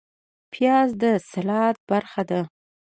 پیاز د سلاد برخه ده